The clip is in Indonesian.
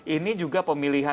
ini juga pemilihan